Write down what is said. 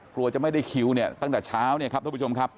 กลัวจะไม่ได้คิวตั้งแต่เช้าทุกผู้ชมครับ